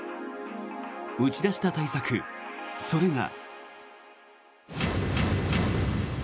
打ち出した対策、それが。